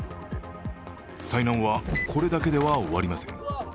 災難はこれだけでは終わりません。